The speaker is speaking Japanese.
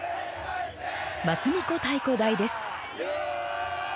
松神子太鼓台です。